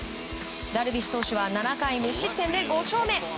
ダルビッシュ投手は７回無失点で５勝目。